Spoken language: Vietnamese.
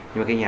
nhưng cái nhà